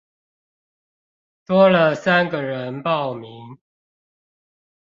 多了三個人報名